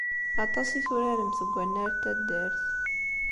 Aṭas i turaremt deg wannar n taddart.